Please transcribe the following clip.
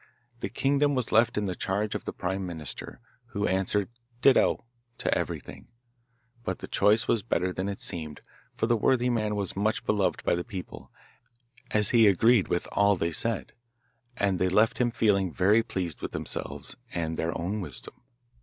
The kingdom was left in the charge of the Prime Minister, who answered 'Ditto' to everything; but the choice was better than it seemed, for the worthy man was much beloved by the people, as he agreed with all they said, and they left him feeling very pleased with themselves and their own wisdom.